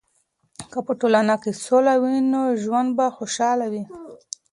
که په ټولنه کې سولې وي، نو ژوند به خوشحاله وي.